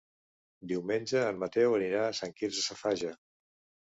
Diumenge en Mateu anirà a Sant Quirze Safaja.